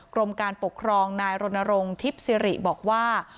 กรมการปกครองนายรณรงค์ทิพย์สิริบอกว่า